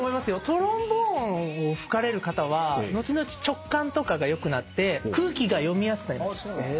トロンボーンを吹かれる方はのちのち直感とかが良くなって空気が読みやすくなります。